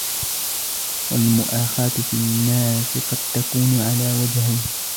وَالْمُؤَاخَاةُ فِي النَّاسِ قَدْ تَكُونُ عَلَى وَجْهَيْنِ